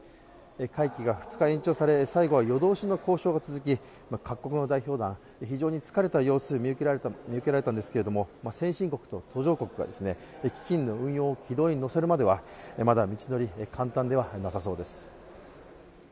会期が２日延長され、最後は夜通しの交渉が続き各国の代表団、非常に疲れた様子見受けられたんですけれども、先進国と途上国が基金の運用を軌道に乗せるまではまだ道のり、簡単ではなさそうです。